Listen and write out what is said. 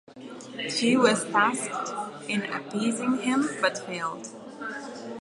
Xie was tasked in appeasing him but failed.